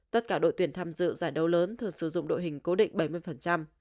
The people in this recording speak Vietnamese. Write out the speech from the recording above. tất cả đội tuyển tham dự giải đấu lớn thường sử dụng đội hình cố định bảy mươi